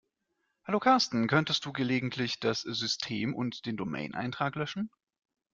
Hallo Carsten, könntest du gelegentlich das System und den Domain-Eintrag löschen?